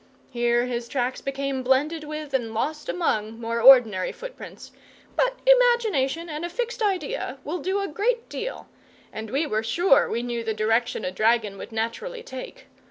Here his tracks became blended with and lost among more ordinary footprints, but imagination and a fixed idea will do a great deal, and we were sure we knew the direction a dragon would naturally take.